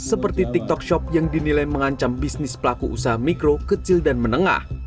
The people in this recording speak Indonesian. seperti tiktok shop yang dinilai mengancam bisnis pelaku usaha mikro kecil dan menengah